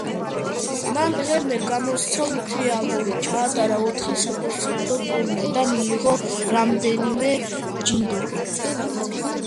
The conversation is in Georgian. მან დღემდე გამოსცა ხუთი ალბომი, ჩაატარა ოთხი საკონცერტო ტურნე და მიიღო რამდენიმე ჯილდო.